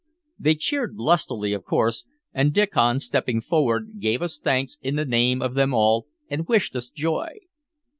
They cheered lustily, of course, and Diccon, stepping forward, gave us thanks in the name of them all, and wished us joy.